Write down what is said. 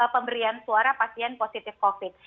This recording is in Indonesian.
pemberian suara pasien positif covid sembilan belas